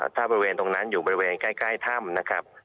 ถ้าบริเวณที่ที่นั่นอยู่ใกล้ธ่ำ